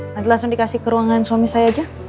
nanti langsung dikasih ke ruangan suami saya aja